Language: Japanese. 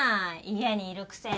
家にいるくせに。